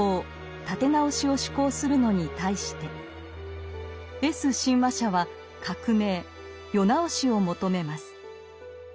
「立て直し」を志向するのに対してＳ親和者は革命「世直し」を求めます。